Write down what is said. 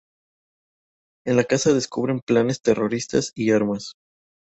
En la casa descubren planes terroristas y armas.